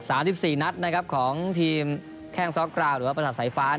อ่า๓๔นัทนะครับของทีมแค่งซอสกราวด์หรือว่าประสาทไฟฟ้า